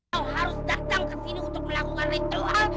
kau harus datang ke sini untuk melakukan doa